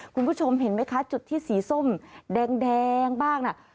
คุณผู้ชมเห็นไหมคะจุดที่สีส้มแดงบ้างน่ะ